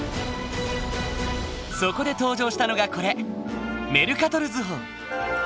そこで登場したのがこれメルカトル図法。